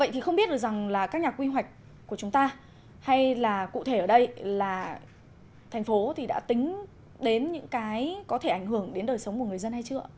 thế được rằng là các nhà quy hoạch của chúng ta hay là cụ thể ở đây là thành phố thì đã tính đến những cái có thể ảnh hưởng đến đời sống của người dân hay chưa